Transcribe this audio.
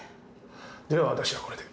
では私はこれで。